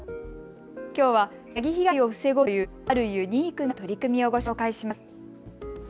きょうは詐欺被害を防ごうというあるユニークな取り組みをご紹介します。